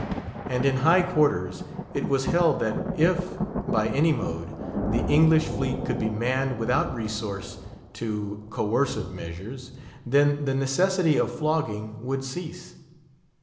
And in high quarters it was held that if, by any mode, the English fleet could be manned without resource to coercive measures, then the necessity of flogging would cease.